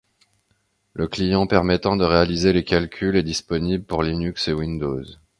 Le client permettant de réaliser les calculs est disponible pour Linux et Windows.